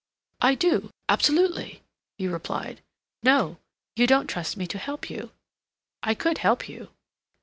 "I do, absolutely," he replied. "No. You don't trust me to help you.... I could help you?"